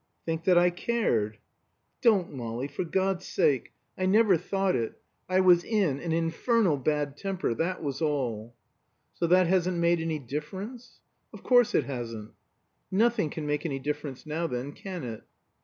"Think that I cared." "Don't, Molly, for God's sake! I never thought it. I was in an infernal bad temper, that was all." "So that hasn't made any difference?" "Of course it hasn't." "Nothing can make any difference now then, can it?"